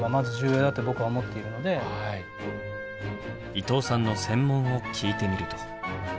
伊藤さんの専門を聞いてみると。